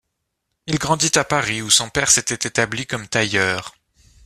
Il grandit à Paris, où son père s'était établi comme tailleur.